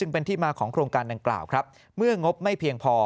เป็นที่มาของโครงการดังกล่าวครับเมื่องบไม่เพียงพอ